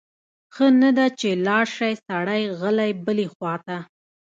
ښه نه ده چې لاړ شی سړی غلی بلې خواته؟